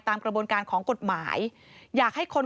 ตามกระบวนการของกฎหมาย